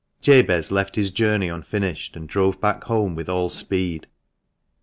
Jabez left his journey unfinished, and drove back home with all speed.